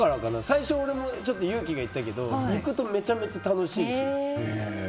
最初、俺もちょっと勇気がいったけど行くとめちゃめちゃ楽しいし。